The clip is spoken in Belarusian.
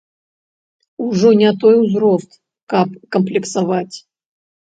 Ужо не той узрост, каб камплексаваць!